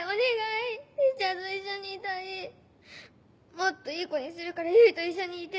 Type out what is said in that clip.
もっといい子にするから唯と一緒にいて！